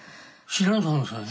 知らん。